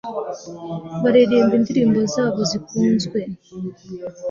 baririmba indirimbo zabo zikunzwe-